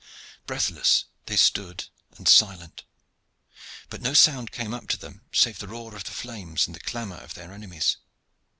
Breathless they stood and silent, but no sound came up to them, save the roar of the flames and the clamor of their enemies.